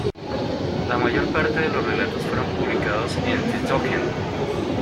La mayor parte de los relatos fueron publicados en The Token.